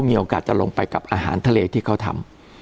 มีโอกาสจะลงไปกับอาหารทะเลที่เขาทำ